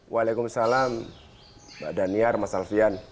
waalaikumsalam mbak daniar mas alfian